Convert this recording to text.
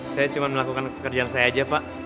saya cuma melakukan kerjaan saya aja pak